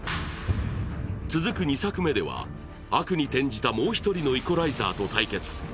続く２作目では、悪に転じたもう１人のイコライザーと対決。